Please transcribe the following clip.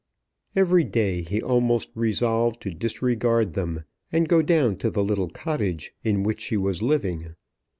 Every day he almost resolved to disregard them, and go down to the little cottage in which she was living.